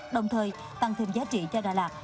đồng thời tăng thêm giá trị cho đà lạt